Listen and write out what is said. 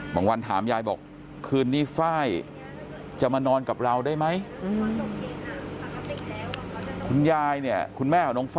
วันถามยายบอกคืนนี้ไฟล์จะมานอนกับเราได้ไหม